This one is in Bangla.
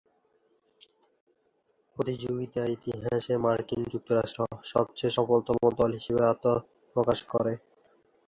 প্রতিযোগিতার ইতিহাসে মার্কিন যুক্তরাষ্ট্র সবচেয়ে সফলতম দল হিসেবে আত্মপ্রকাশ করে।